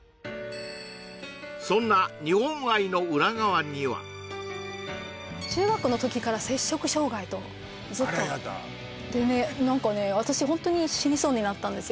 そんな日本愛の裏側には中学の時から摂食障害とずっとあらやだでね何かね私ホントに死にそうになったんですよ